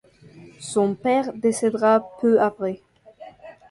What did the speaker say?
Son père décédera peu après.